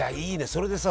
それでさ